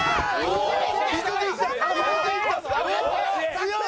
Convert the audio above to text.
強い！